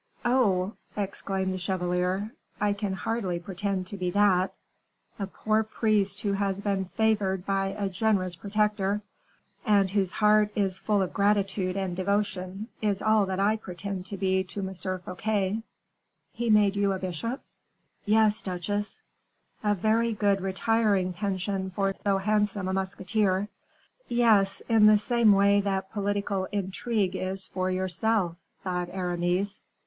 oh!" exclaimed the chevalier, "I can hardly pretend to be that. A poor priest who has been favored by a generous protector, and whose heart is full of gratitude and devotion, is all that I pretend to be to M. Fouquet." "He made you a bishop?" "Yes, duchesse." "A very good retiring pension for so handsome a musketeer." "Yes; in the same way that political intrigue is for yourself," thought Aramis.